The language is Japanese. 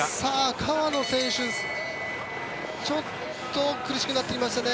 川野選手、ちょっと苦しくなってきましたね。